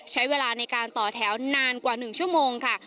ใช้เวลาในการต่อแถวนานกว่า๑ชั่วโมงค่ะ